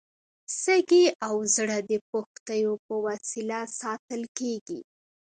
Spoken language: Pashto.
سږي او زړه د پښتیو په وسیله ساتل کېږي.